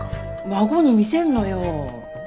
孫に見せんのよ。